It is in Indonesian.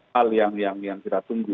hal yang kita tunggu